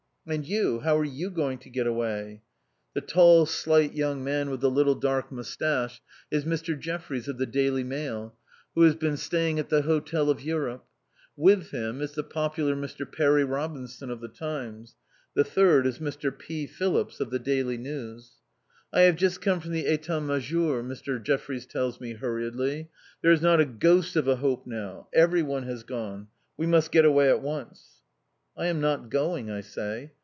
"And you, how are you going to get away?" The tall, slight young man with the little dark moustache is Mr. Jeffries of the Daily Mail, who has been staying at the Hotel de l'Europe. With him is the popular Mr. Perry Robinson of the Times. The third is Mr. P. Phillips of the Daily News. "I have just come from the État Majeur," Mr. Jeffries tells me hurriedly. "There is not a ghost of a hope now! Everyone has gone. We must get away at once." "I am not going," I say.